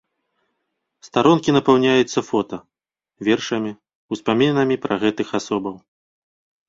Старонкі напаўняюцца фота, вершамі, успамінамі пра гэтых асобаў.